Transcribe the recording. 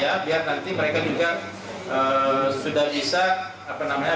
ya biar nanti mereka juga sudah bisa apa namanya